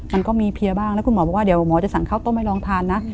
มันก็มีเพียบ้างแล้วคุณหมอบอกว่าเดี๋ยวหมอจะสั่งข้าวต้มให้ลองทานนะ